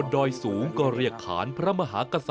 ติดตามได้จากรายงานพิเศษชิ้นนี้นะคะ